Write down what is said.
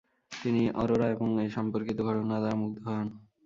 তিনি অরোরা এবং এ সম্পর্কিত ঘটনা দ্বারা মুগ্ধ হন।